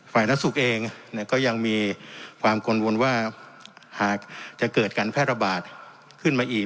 นักสุขเองก็ยังมีความกังวลว่าหากจะเกิดการแพร่ระบาดขึ้นมาอีก